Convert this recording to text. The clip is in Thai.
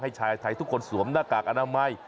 ชายไทยทุกคนสวมหน้ากากอนามัย